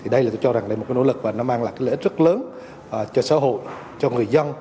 đây là một nỗ lực mà mang lại lợi ích rất lớn cho xã hội cho người dân